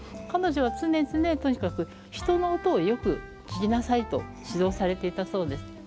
彼女は常々とにかく「人の音をよく聴きなさい」と指導されていたそうです。